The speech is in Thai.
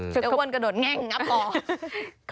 เดี๋ยวอ้วนกระโดดแง่งงับออก